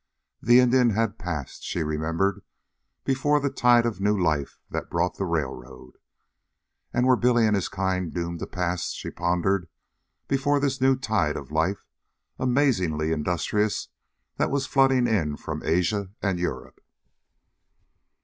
The Indian had passed, she remembered, before the tide of new life that brought the railroad. And were Billy and his kind doomed to pass, she pondered, before this new tide of life, amazingly industrious, that was flooding in from Asia and Europe?